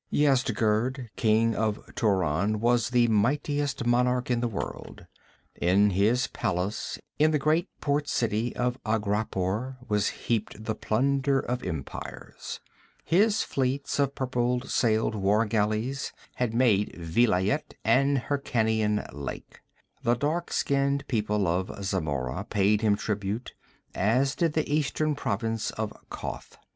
Yezdigerd, king of Turan, was the mightiest monarch in the world. In his palace in the great port city of Aghrapur was heaped the plunder of empires. His fleets of purple sailed war galleys had made Vilayet an Hyrkanian lake. The dark skinned people of Zamora paid him tribute, as did the eastern provinces of Koth.